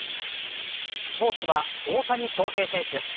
スポーツは、大谷翔平選手。